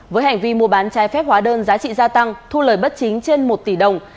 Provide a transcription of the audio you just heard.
với hành vi mua bán trái phép hóa đơn giá trị gia tăng thu lời bất chính trên một tỷ đồng